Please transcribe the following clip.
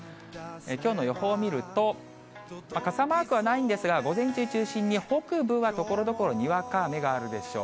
きょうの予報を見ると、傘マークはないんですが、午前中中心に北部はところどころにわか雨があるでしょう。